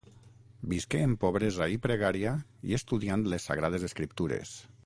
Visqué en pobresa i pregària i estudiant les Sagrades Escriptures.